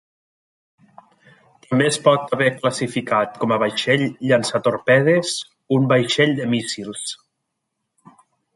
També es pot haver classificat com a vaixell llançatorpedes o un vaixell de míssils.